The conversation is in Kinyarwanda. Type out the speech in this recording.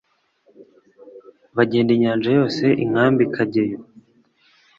Bagenda inyanja yose inkambi Kageyo